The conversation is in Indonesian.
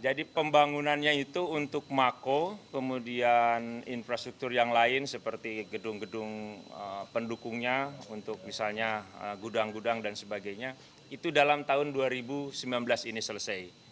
jadi pembangunannya itu untuk mako kemudian infrastruktur yang lain seperti gedung gedung pendukungnya untuk misalnya gudang gudang dan sebagainya itu dalam tahun dua ribu sembilan belas ini selesai